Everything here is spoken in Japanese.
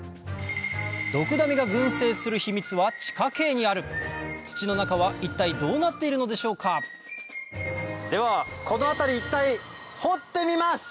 ドクダミが群生する秘密は地下茎にある土の中は一体どうなっているのでしょうかではこの辺り一帯掘ってみます！